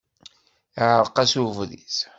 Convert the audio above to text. Iɛreq-as ubrid.